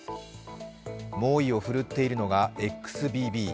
猛威を振るっているのがＸＢＢ。